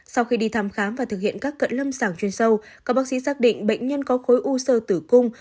sau khi đi thăm khám và thực hiện các cận lâm sàng chuyên sâu các bác sĩ xác định bệnh nhân có khối u sơ tử cung